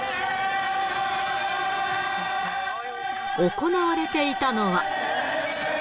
行われていたのは。